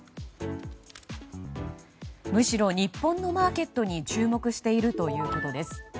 むしろ日本のマーケットに注目しているということです。